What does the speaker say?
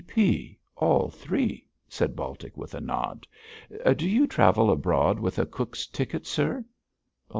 'G. P. all three,' said Baltic, with a nod, 'Do you travel abroad with a Cook's ticket, sir?'